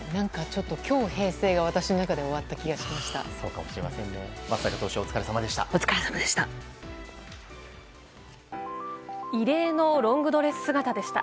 今日、平成が私の中で終わった気がしました。